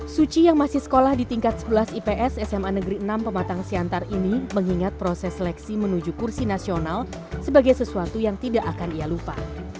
suci yang masih sekolah di tingkat sebelas ips sma negeri enam pematang siantar ini mengingat proses seleksi menuju kursi nasional sebagai sesuatu yang tidak akan ia lupa